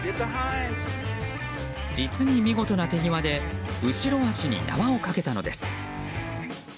実に見事な手際で後ろ脚に縄をかけたのです。